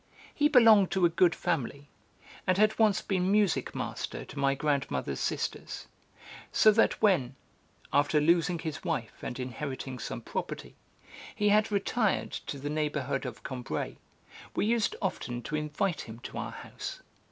He belonged to a good family, and had once been music master to my grandmother's sisters; so that when, after losing his wife and inheriting some property, he had retired to the neighbourhood of Combray, we used often to invite him to our house.